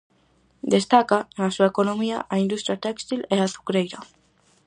Destaca, na súa economía, a industria téxtil e a azucreira.